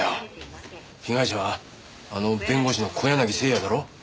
被害者はあの弁護士の小柳征矢だろ？